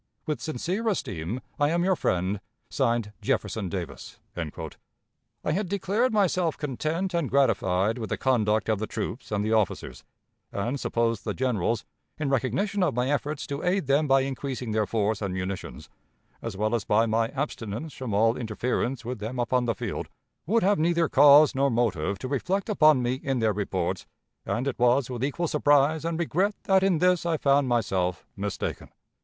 "With sincere esteem, I am your friend, (Signed) "Jefferson Davis." I had declared myself content and gratified with the conduct of the troops and the officers, and supposed the generals, in recognition of my efforts to aid them by increasing their force and munitions, as well as by my abstinence from all interference with them upon the field, would have neither cause nor motive to reflect upon me in their reports, and it was with equal surprise and regret that in this I found myself mistaken.